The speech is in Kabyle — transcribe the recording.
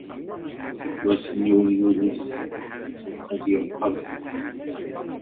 Seg wass-nni ur yulis ad d-yeqqel.